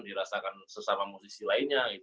dirasakan sesama musisi lainnya